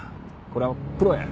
これはプロや。